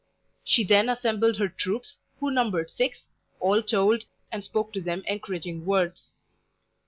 She then assembled her troops, who numbered six, all told, and spoke to them encouraging words.